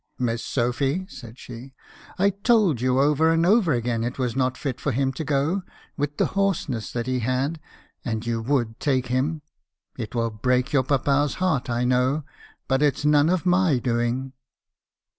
" 'Miss Sophy !' said she ,* I told you over and over again it was not fit for him to go, with the hoarseness that he had, and you would take him. It will break your papa's heart, I know; but it 's none of my doing.'